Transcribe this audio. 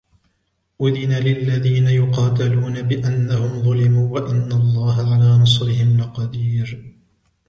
أذن للذين يقاتلون بأنهم ظلموا وإن الله على نصرهم لقدير